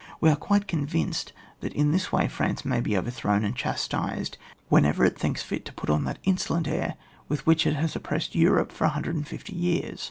We are quite convinced that in this way France may be overthrown and chastised whenever it thinks fit to put on that insolent air with which it has op pressed Europe for a hundred and fifty years.